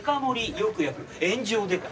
よく焼く炎上デカ。